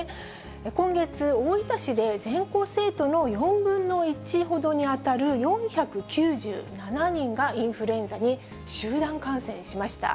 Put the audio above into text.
今月、大分市で全校生徒の４分の１ほどに当たる４９７人がインフルエンザに集団感染しました。